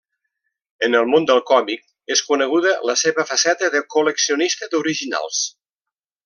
En el món del còmic és coneguda la seva faceta de col·leccionista d'originals.